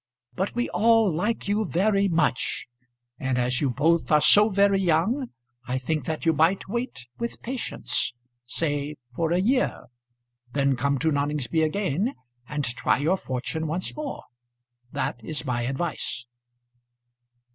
But we all like you very much; and as you both are so very young, I think that you might wait with patience, say for a year. Then come to Noningsby again, and try your fortune once more. That is my advice."